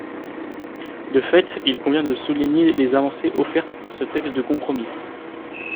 De fait, il convient de souligner les avancées offertes par ce texte de compromis.